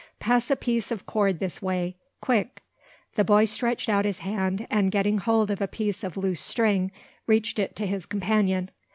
Pass a piece o' cord this way. Quick." The boy stretched out his hand, and, getting hold of a piece of loose string, reached it to his companion.